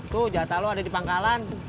tuh jatah lo ada di pangkalan